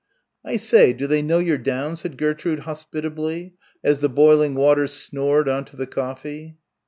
"I say, do they know you're down?" said Gertrude hospitably, as the boiling water snored on to the coffee.